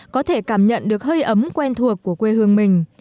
có thể cảm nhận được hơi ấm quen thuộc của quê hương mình